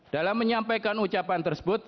dalam menyampaikan ucapan tersebut